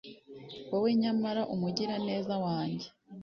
Wowe nyamara umugiraneza wanjye